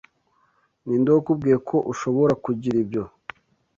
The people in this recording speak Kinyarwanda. Ninde wakubwiye ko ushobora kugira ibyo?